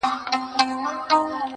سپي ویله دا قاضي هوښیار انسان دی.